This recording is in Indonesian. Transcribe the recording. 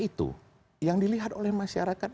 itu yang dilihat oleh masyarakat